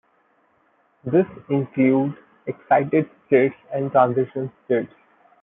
This include excited states and transition states.